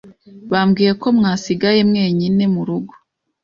Bambwiye ko mwasigaye mwenyine murugo